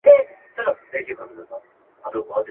سردارانو يو د بل وهل سرونه.